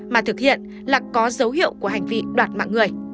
mà thực hiện là có dấu hiệu của hành vi đoạt mạng người